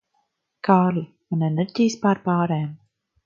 Kārli, man enerģijas pārpārēm.